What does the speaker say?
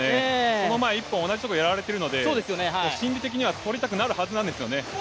その前、１本同じところやられているので心理的にはとりたくなるはずなんですよね。